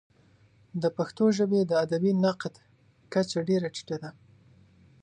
د پښتو ژبې د ادبي نقد کچه ډېره ټیټه ده.